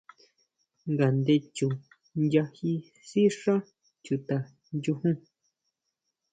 Ngandé chu nyají sixá chuta nchujun.